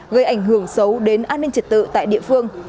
gây ảnh hưởng xấu đến an ninh trật tự tại địa phương